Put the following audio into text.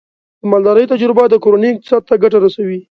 د مالدارۍ تجربه د کورنۍ اقتصاد ته ګټه رسوي.